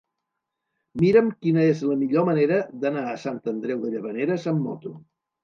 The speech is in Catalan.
Mira'm quina és la millor manera d'anar a Sant Andreu de Llavaneres amb moto.